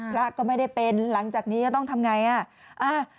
พระก็ไม่ได้เป็นหลังจากนี้ต้องทำอย่างไร